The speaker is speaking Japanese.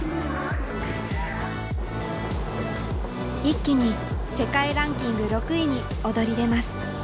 一気に世界ランキング６位に躍り出ます。